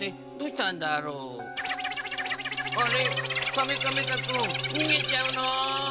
カメカメカくんにげちゃうの？